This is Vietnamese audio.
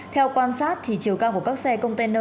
theo quan sát chiều cao của các xe container